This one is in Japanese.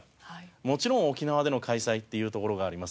もちろん沖縄での開催っていうところがあります。